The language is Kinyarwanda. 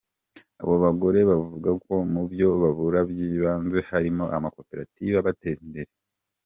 Abo bagore bavuga ko mu byo babura by’ibanze harimo amakoperative abateza imbere.